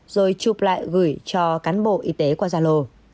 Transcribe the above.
rồi chụp lại gửi cho cán bộ y tế qua gia lô